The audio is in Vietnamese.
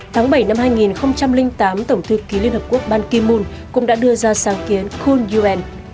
tháng bảy năm hai nghìn tám tổng thư ký liên hợp quốc ban ki moon cũng đã đưa ra sáng kiến cool un